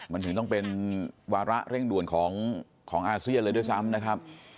มันถึงต้องเป็นวาระเร่งด่วนของอาเซียนเลยด้วยซ้ำนะครับ